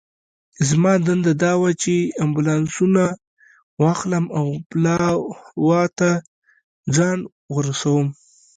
زما دنده دا وه چې امبولانسونه واخلم او پلاوا ته ځان ورسوم.